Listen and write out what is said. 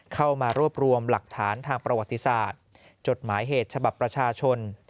เข้ามารวบรวมหลักฐานทางประวัติศาสตร์จดหมายเหตุฉบับประชาชน